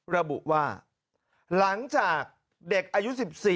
ระบุว่าหลังจากเด็กอายุ๑๔